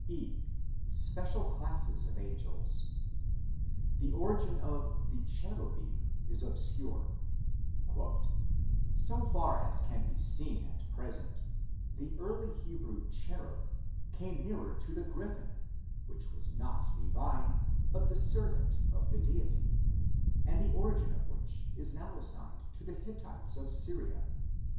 (e) Special classes of angels. The origin of the Cherubim is obscure ; "so far as can be seen at present, the early Hebrew cherub came nearer to the griffin, which was not divine, but the servant of the deity, and the origin of which is now assigned to the Hittites of Syria.